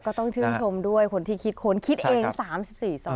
ก็ต้องชื่นชมด้วยคนที่คิดค้นคิดเอง๓๔ซอย